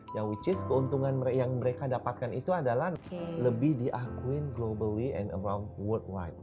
yang which is keuntungan yang mereka dapatkan itu adalah lebih diakui globally and around worldwide